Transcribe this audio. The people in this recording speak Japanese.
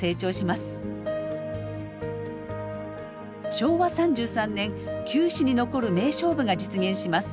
昭和３３年球史に残る名勝負が実現します。